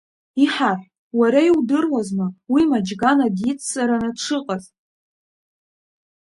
Иҳаҳә, уара иудыруазма уи Маџьгана диццараны дшыҟаз?